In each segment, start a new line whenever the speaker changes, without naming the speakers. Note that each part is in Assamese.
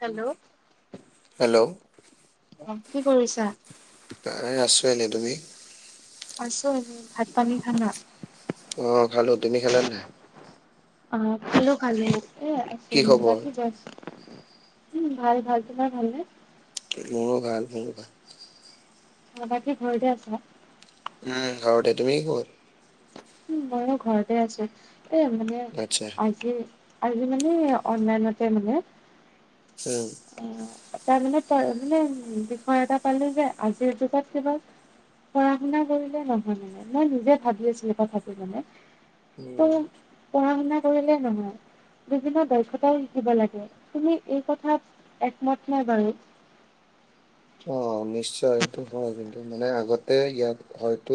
হেল্ল'?
হেল্ল'।
অ কি কৰিছা?
অ আছো এনে তুমি?
আছে ভাত পানী খালা?
অ খালো তুমি খালা নাই?
অ খালো খালো, এই আছে
কি খবৰ
বাকী বছ উম ভাল ভাল, তোমাৰ ভালনে?
মোৰো ভাল মোৰো ভাল।
অ বাকী ঘৰতে আছা?
উম ঘৰতে তুমি কি ক'ত?
উম মইও ঘৰতে আছো, এ মানে
আচ্ছা
আজি আজি মানে অনলাইনতে মানে
এ
তাৰমানে মানে বিষয় এটা পালো যে আজিৰ যুগত কেৱল পঢ়া - শুনা কৰিলে নহয় মানে মই নিজে ভাবি আছিলো। তথাপিও মানে
উম
ত পঢ়া - শুনা কৰিলে নহয়। বিভিন্ন দক্ষতাই শিকিব লাগে তুমি এই কথাত একমত নে বাৰু?
অ নিশ্চয় হয় কিন্তু মানে আগতে ইয়াত হয়তো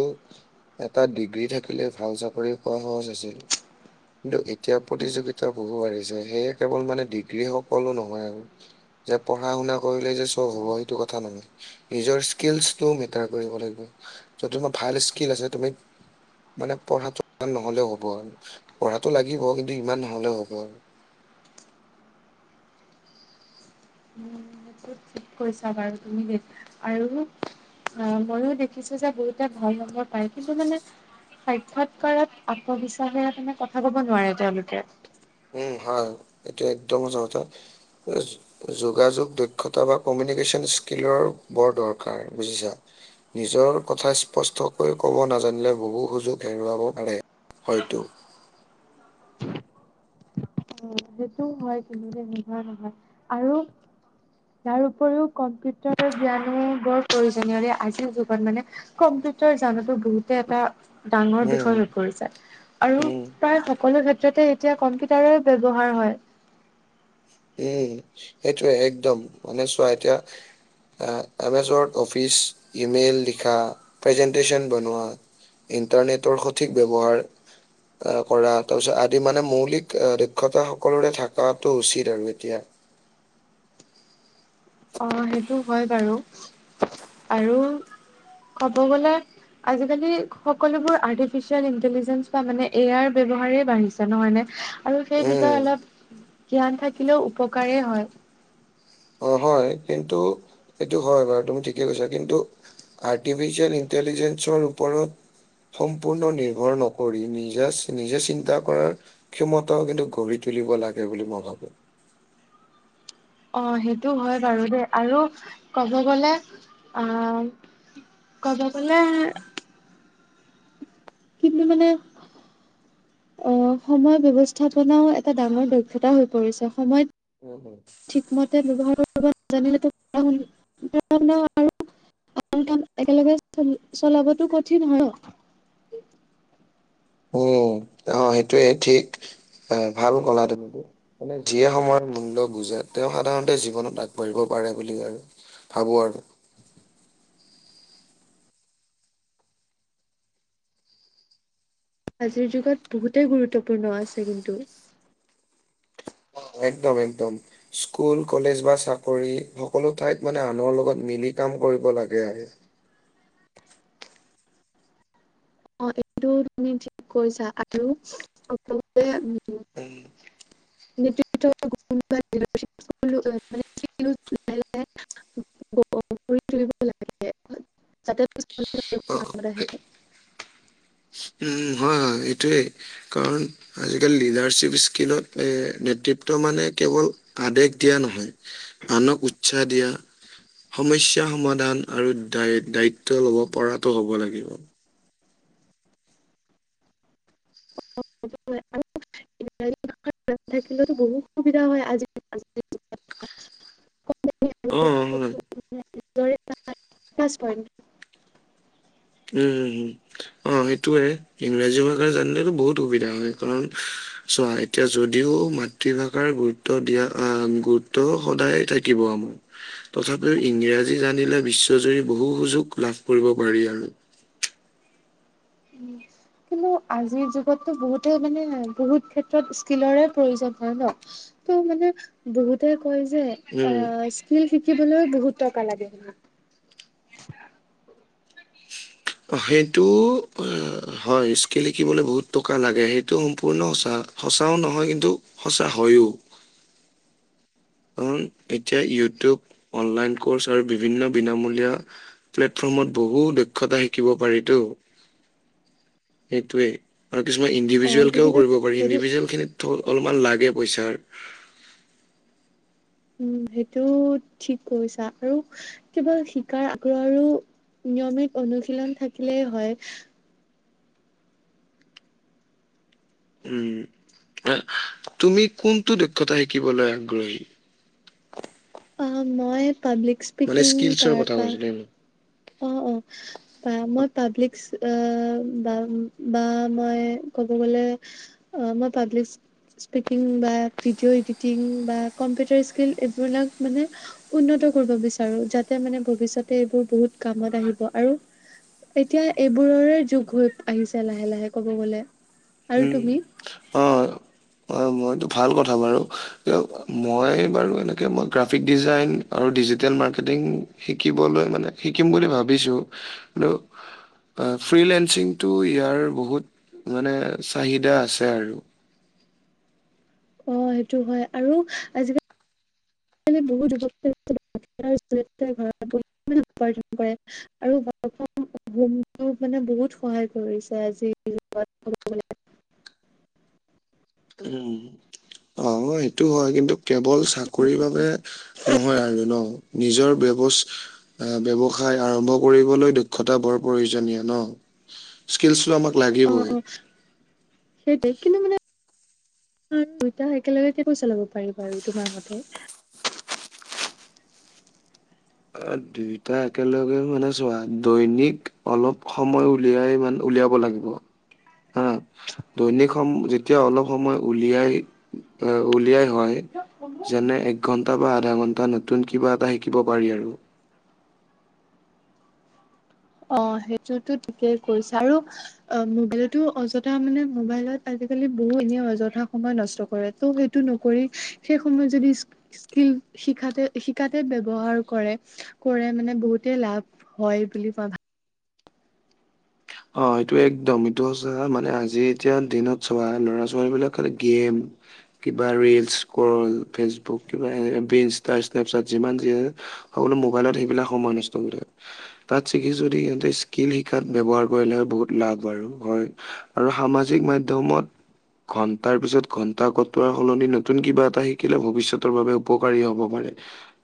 এটা ডিগ্ৰী থাকিলে ভাল চাকৰি পোৱা সহজ আছিল। কিন্তু এতিয়া প্ৰতিযোগিতা বহু বাঢ়ি যায় সেয়ে কেৱল মানে ডিগ্ৰী সকলো নহয় আৰু। যে পঢ়া - শুনা কৰিলে যে চব হয় টো কথা নহয়, নিজৰ ইছকিলছটো মিটাৰ কৰিব লাগিব। য'ত তোমাৰ ভাল স্কিল আছে তুমি মানে পঢ়াটো ইমান নহ'লেও হ'ব, পঢ়াটো লাগিব কিন্তু ইমান নহ'লেও হ'ব।
হুম। ঠিক কৈছা বাৰু তুমি দে আৰু আহ ময়ো দেখিছো যে বহুতে ভাল নম্বৰ পায় কিন্তু মানে সাক্ষাৎকাৰত আত্মবিশ্বাসেৰে কাৰানে কথা কব নোৱাৰে তেওঁলোকে।
উম হয় এইটো একদম সঁচা কথা। য যোগাযোগ, দক্ষতা বা কমিউনিকেশ্যন স্কিলৰ বৰ দৰকাৰ বুজিছা। নিজৰ কথা স্পষ্টকৈ কব নাজানিলে বহু সুযোগ হেৰুৱাব পাৰে। হয়তো।
অ। সেইটো হয় কিন্তু দেই নোহোৱা নহয় আৰু তাৰ উপৰিও কম্পিউটাৰৰ জ্ঞানো বৰ প্ৰয়োজনীয় আজিৰ যুগত মানে কম্পিউটাৰ জানাতো বহুতে এটা ডাঙৰ
উম,
বিষয় হৈ পৰিছে আৰু
উম,
প্ৰায় সকলো ক্ষেত্ৰতে এতিয়া কম্পিউটাৰে ব্যৱহাৰ হয়।
সেইটোয়ে একদম মানে চোৱা এতিয়া এমেজ, অফিচ, ইমেইল লিখা, প্ৰেজেন্টেশচন বনোৱা, ইণ্টাৰনেটৰ সঠিক ব্যৱহাৰ আহ কৰা তাৰপিছত আদি মানে মৌলিক দক্ষতা সকলোৰে থকাটো উচিত আৰু এতিয়া
অ সেইটো হয় বাৰু আৰু কব গলে আজিকালি সকলোবোৰ আৰ্টিফিচিয়েল ইণ্টেলিজেন্ঞ্চ বা মানে এ আইৰ ব্যৱহাৰ বাঢ়িছে নহয় নে? আৰু সেই
উম
বিষয়ে অলপ জ্ঞান থাকিলেও উপকাৰেই হয়।
অ হয় কিন্তু এইটো হয় বাৰু তুমি ঠিকেই কৈছা কিন্তু আৰ্টিফিচিয়েল ইণ্টেলিজেঞ্চৰ ওপৰত সম্পূৰ্ণ নিৰ্ভৰ নকৰি নিজা নিজে চিন্তা কৰাৰ ক্ষমতাও কিন্তু গঢ়ি তুলিব লাগে বুলি মই ভাবো
অ সেইটো হয় বাৰু দেই আৰু কব গলে আহ ক'ব গ'লে কিন্তু মানে অ সময় ব্যৱস্থাপনাও এটা ডাঙৰ দক্ষতা হৈ পৰিছে সময়ত,
হয় হয়
ঠিকমতে ব্যৱহাৰ কৰিব নাজানিলে তো পঢ়া শুনা আৰু আন কাম একেলগে চলাবতো কঠিন হয় ন।
উম অ সেইটোৱে ঠিক ভাল কলা তুমিটো মানে যিয়ে সময়ৰ মূল্য বুজে তেওঁ সাধাৰণতে জীৱনত আগবাঢ়িব পাৰে বুলি আৰু ভাবো আৰু।
আজিৰ যুগত বহুতেই গুৰুত্বপূৰ্ণ আছে কিন্তু
অ একদম একদম স্কুল কলেজ বা চাকৰি সকলো ঠাইত মানে আনৰ লগত মিলি কাম কৰিব লাগে
অ এইটো তুমি ঠিক কৈছা আৰু সকলোতে [unintelligible] লাহে লাহে গঢ়ি তুলিব লাগে যাতে পিছলে তেওঁলোকৰ
অ',
কামত আহে।
উম উম হয় হয় এইটোৱেই কাৰণ আজিকালি লিডাৰশ্বিপ স্কিলত এ নেতৃত্ব মানে কেৱল আদেশ দিয়া নহয়। আনক উৎসাহ দিয়া। সমস্যা সমাধান আৰু দায় দায়িত্ব লব পৰাটো হব লাগিব।
[unintelligible] [unintelligible] থাকিলেতো বহুত সুবিধা হয় আজি যুগত ধৰা [unintelligible]
অ হয়
[unintelligible] নিজৰে প্লাছ পইণ্ট
উম উম উম অ সেইটোয়ে ইংৰাজী ভাষা জানিলো বহুত সুবিধা হয়, কাৰণ চোৱা এতিয়া যদিও মাতৃভাষাৰ গুৰুত্ব দিয়া আহ গুৰুত্ব সদায় থাকিব আমাৰ তথাপিও ইংৰাজী জানিলে বিশ্বজুৰি বহু সুযোগ লাভ কৰিব পাৰি আৰু।
উম কিন্তু আজিৰ যুগতটো বহুতে মানে বহুত ক্ষেত্ৰত স্কিলৰে প্ৰয়োজন হয় ন? ত' মানে বহুতে কয় যে
উম,
অ স্কিল শিকিবলৈ বহুত টকা লাগে বুলি।
অ সেইটো হয় স্কীল শিকিবলে বহুত টকা লাগে সেইটো সম্পূৰ্ণ সঁচা, সচাও নহয় কিন্তু সঁচা হয়ো। কাৰণ এতিয়া ইউটিউব, অনলাইন কৰ্চ আৰু বিভিন্ন বিনামূলীয়া প্লেটফৰ্মত বহু দক্ষতা শিকিব পাৰিতো, সেইটোৱেই। আৰু কিছুমান
অ
ইণ্ডিভিজুৱেল
সেইটো
কেও
কিন্তু
কৰিব পাৰি
সেইটো
ইণ্ডিভিজুৱেল খিনিত অলপমান লাগে পইচাৰ।
উম সেইটো ঠিক কৈছা আৰু কিবা শিকাৰ আগ্ৰহ আৰু নিয়মিত অনুশীলন থাকিলেই হয়।
উম তুমি কোনটো দক্ষতা শিকিবলৈ আগ্ৰহী?
অ মই পাব্লিক
মানে
স্পিকিং
স্কিলচৰ কথা
তাৰপা
কৈছো দেই মই
অ অ। বা মই পাব্লিক অ বা বা মই ক'ব গলে অ মই পাব্লিক স্পিকিং বা ভিডিঅ এডিটিং বা কম্পিউটাৰ স্কিল এইবিলাক মানে উন্নত কৰিব বিচাৰো যাতে মানে ভৱিষ্যতে এইবোৰ বহুত কামত আহিব। আৰু এতিয়া এইবোৰৰে যুগ হৈ আহিছে লাহে লাহে কব গ'লে। আৰু
উম। অ
[inaudible]
হয় মইতো ভাল কথা বাৰু কিয় মই বাৰু এনেকে মই গ্ৰাফিক ডিজাইন আৰু ডিজিটেল মাৰ্কেটিং শিকিবলৈ মানে শিকিম বুলি ভাবিছোঁ, কিন্তু ফ্ৰী লেসিংটো ইয়াৰ বহুত মানে চাহিদা আছে আৰু
অ সেইটো হয় আৰু আজিকালি বহুত উপছিল চৰিত্ৰ ঘৰত উপাৰ্জন কৰে। আৰু বোমটো মানে বহুত সহায় কৰিছে আজিৰ [unintelligible]
উম অ সেইটো হয় কিন্তু, কেৱল চাকৰি বাবে নহয় আৰু ন নিজৰ বেৱ আহ ব্যৱসায় আৰম্ভ কৰিবলৈ দক্ষতা বৰ প্ৰয়োজনীয় ন, স্কিলচটো আমাক লাগিবই।
সেইটোৱেই, কিন্তু মানে দুইটা একেলগে কেনেকৈ চলাব পাৰি বাৰু তোমাৰ মতে।
অ দুইটা একেলগে মানে চোৱা দৈনিক অলপ সময় উলিয়াই মানে উলিয়াব লাগিব। হা দৈনিক সম যেতিয়া অলপ সময় উলিয়াই আহ উলিয়াই হয়। যেনে এক ঘন্টা বা আধা ঘন্টা নতুন কিবা এটা শিকিব পাৰি আৰু
অ সেইটোতো ঠিকেই কৈছা আৰু অ মোবাইলতো অযথা মানে মোবাইলত আজিকালি বহু এনে অযথা সময় নষ্ট কৰে ত' সেই নকৰি সেই সময়ত যদি স্কিল শিকাতে শিকাতে ব্যৱহাৰ কৰে। কৰে মানে বহুতেই লাভ হয় বুলি মই ভাব
অ এইটো একদম এইটো সচা মানে আজি এতিয়া দিনত চবা ল'ৰা ছোৱালী বিলাক খালি গেম, কিবা ৰিলচ কৰল ফেচবুক কিবা এ ইনষ্টা স্নেপচাট যিমান যি অকল মোবাইলত সময় নষ্ট কৰি থকা তাত থাকি যদি স্কিল শিক্ষাৰ ব্যৱহাৰ, কৰিলে হয় বহুত লাভ আৰু হয় আৰু সামাজিক মাধ্যমত, ঘন্টাৰ পিছত ঘন্টা কটোৱাৰ সলনি নতুন কিবা এটা শিকিলে ভৱিষ্যতৰ বাবে উপকাৰী হ'ব পাৰে।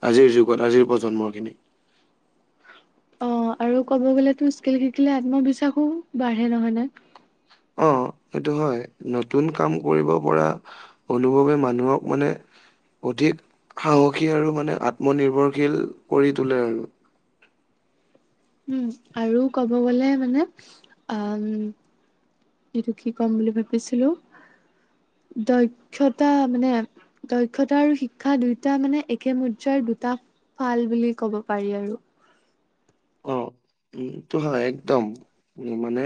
আজিৰ যুগত আজিৰ প্ৰজন্মৰখিনি।
অ আৰু ক'ব গ'লে তো স্কিল শিকিলে আত্মবিশ্বাসো বাঢ়ে নহয় নে।
অ সেইটো হয় নতুন কাম কৰিব পৰা। অনুভৱে মানুহক মানে। অধিক সাহসী আৰু মানে আত্মনিৰ্ভৰশীল কৰি তোলে আৰু
উম আৰু কব গলে মানে অ এইটো কি ক'ম বুলি ভাবিছিলো দক্ষতা মানে, দক্ষতা আৰু শিক্ষা দুয়টা মানে একে মুদ্ৰাৰ দুটা ফাল বুলি কব পাৰি আৰু
অ এইটো হয় একদম উম মানে,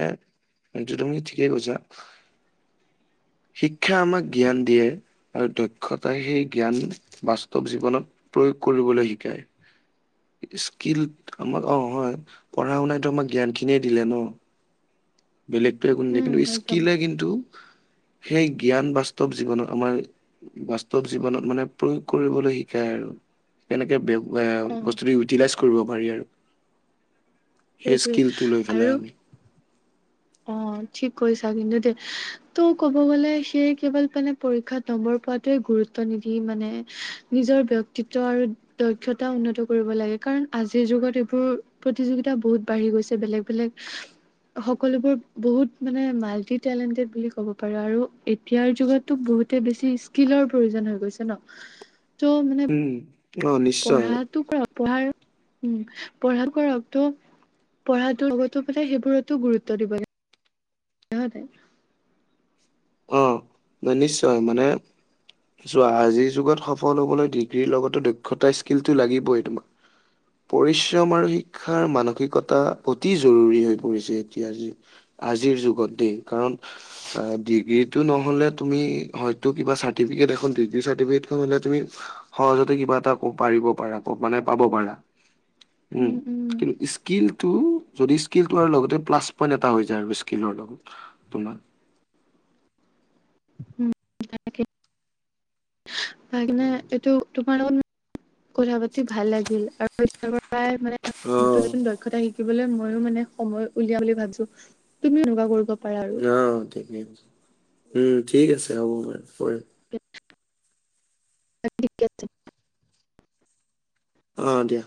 এই তো তুমি ঠিকেই কৈছা। শিক্ষা আমাক জ্ঞান দিয়ে। আৰু দক্ষতাই সেই জ্ঞান বাস্তৱ জীৱনত প্ৰয়োগ কৰিবলৈ শিকায়। স্কিল আমাক অ হয় পঢ়া শুনাইটো আমাক জ্ঞান খিনিয়ে দিলে ন। বেলেগতোৱে একো নিদিয়ে
উম,
কিন্তু
একদম
স্কিলে কিন্তু, সেই জ্ঞান বাস্তৱ জীৱনত আমাৰ বাস্তৱ জীৱনত, মানে প্ৰয়োগ কৰিবলৈ শিকায় আৰু কেনেকে এ
অ,
বস্তুটো ইউটিলাইজ কৰিব পাৰি আৰু, সেই
সেইটোৱে
স্কিলটো লৈ পেলাই
আৰু
আমি
অ, ঠিক কৰিছা কিন্তু দে। তো ক'ব গ'লে, সেয়ে কেৱল মানে পৰীক্ষাত নম্বৰ পোৱাটোৱে গুৰুত্ব নিদি মানে নিজৰ বক্ত ক্তিত্ব আৰু দক্ষতা উন্নত কৰিব লাগে। কাৰণ আজিৰ যুগত এইবোৰ প্ৰতিযোগিতা বহুত বাঢ়ি গৈছে বেলেগ-বেলেগ সকলোবোৰ বহুত মানে মাল্টি টেলেণ্টেড বুলি ক'ব পাৰো, আৰু এতিয়াৰ যুগতো বহুতে বেছি ইচকিলৰ প্ৰয়োজন হৈ গৈছে ন ত' মানে
উম, অ' নিশ্চয়
পঢ়াটো কৰক পঢ়াৰ উম, পঢ়াটো কৰক ত [unintelligible] পঢ়াটো লগতো সেইবোৰতো গুৰুত্ব দিব লাগে। যহতে [unintelligible]
অ, ম নিশ্চয় মানে। আজিৰ যুগত সফল হবলৈ ডিগ্ৰীৰ লগতো দক্ষতা স্কিলটো লাগিবই তোমাক। পৰিশ্ৰম আৰু শিক্ষাৰ মানসিকতা অতি জৰুৰী হৈ পৰিছে, এতিয়া আজি আজিৰ যুগত দেই কাৰণ অ, দি এইটো নহলে, তুমি হয়টো কিবা চাৰ্টিফিকেট এখন ডিগ্ৰী চাৰ্টিফিকেট খন হলে তুমি সহজতে কিবা এটা ক পাৰিব পাৰা, মানে পাব পাৰা উম কিন্তু কিলটো যদি স্কিলকৰা লগতে প্লাছ পইণ্ট এটা হৈ যায় আৰু স্কিলৰ লগত তোমাৰ।
উম তাকে
অ
সেইকাৰণে এইটো তোমাৰ লগত কথা পাতি ভাল লাগিল [unintelligible] আৰু পৰাই মানে তু [unintelligible] তা শিকিবলৈ ময়ো মানে সময় উলিয়া বুলি ভাবছো, তুমিও এনেকুৱা কৰিব পাৰা আৰু।
অ, ঠিকেই কৈছা উম, ঠিক আছে হ'ব বাৰু কৰিম।
কি [unintelligible] অ, ঠিক আছে [unintelligible]
অ, দিয়া।